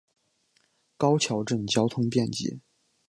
高桥镇交通便捷。